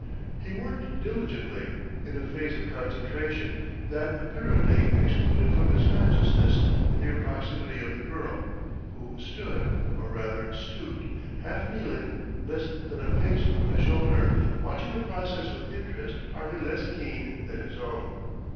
He worked diligently, in a phase of concentration that apparently excluded from his consciousness the near proximity of the girl, who stood or rather stooped, half kneeling less than a pace from his shoulder, watching the process with interest hardly less keen than his own.